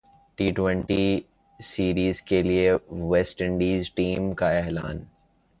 T twenty series کیلئے West Indian team کااعلان